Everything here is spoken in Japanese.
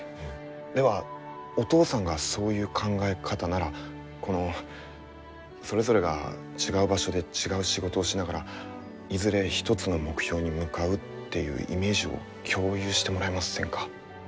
ではお父さんがそういう考え方ならこのそれぞれが違う場所で違う仕事をしながらいずれ一つの目標に向かうっていうイメージを共有してもらえませんか？